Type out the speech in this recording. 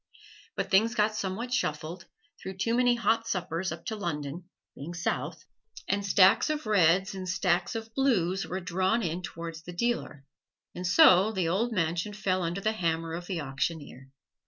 But things got somewhat shuffled, through too many hot suppers up to London (being south), and stacks of reds and stacks of blues were drawn in towards the dealer, and so the old mansion fell under the hammer of the auctioneer.